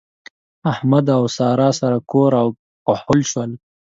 احمد او سارا سره کور او کهول شول.